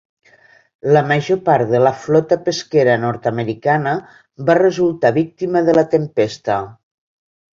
La major part de la flota pesquera nord-americana va resultar víctima de la tempesta.